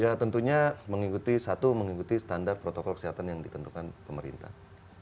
ya tentunya mengikuti satu mengikuti standar protokol kesehatan yang ditentukan pemerintah